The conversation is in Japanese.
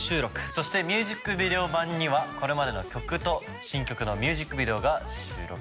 そしてミュージックビデオ版にはこれまでの曲と新曲のミュージックビデオが収録。